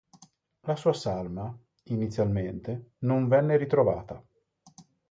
La sua salma, inizialmente, non venne ritrovata.